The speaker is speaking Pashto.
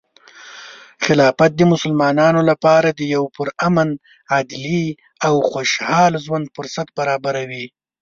خلافت د مسلمانانو لپاره د یو پرامن، عدلي، او خوشحال ژوند فرصت برابروي.